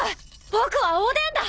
僕はおでんだ！